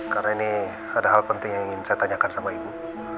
karena ini ada hal penting yang ingin saya tanyakan sama ibu